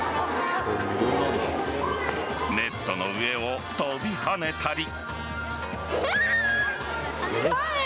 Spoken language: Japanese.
ネットの上を飛び跳ねたり。